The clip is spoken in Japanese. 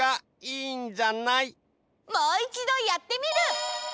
もういちどやってみる！